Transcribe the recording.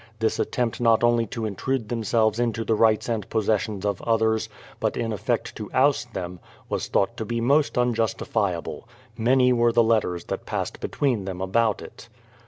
This attempt not only to intrude themselves into the rights and possessions of others, but in effect to oust them, was thought to be most unjustifiable. Many were the letters that passed between them about it.